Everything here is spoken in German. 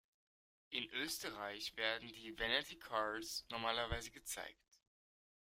In Österreich werden die Vanity Cards normalerweise gezeigt.